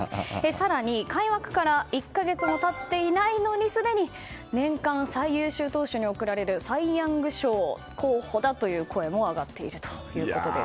更に、開幕から１か月も経っていないのにすでに年間最優秀投手に贈られるサイ・ヤング賞の候補だという声も上がっているということです。